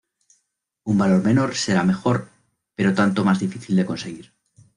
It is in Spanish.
Un valor menor será mejor, pero tanto más difícil de conseguir.